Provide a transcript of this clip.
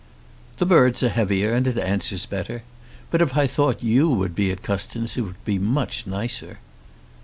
"The birds are heavier and it answers better. But if I thought you would be at Custins it would be much nicer."